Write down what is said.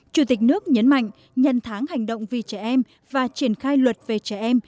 chủ tịch nước nhấn mạnh nhân tháng hành động vì trẻ em và triển khai luật về trẻ em